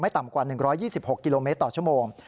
ต่ำกว่า๑๒๖กิโลเมตรต่อชั่วโมง